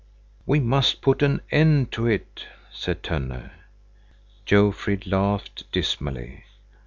"We must put an end to it," said Tönne. Jofrid laughed dismally.